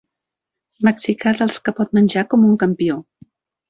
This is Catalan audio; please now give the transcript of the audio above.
Mexicà dels que pot menjar com un campió.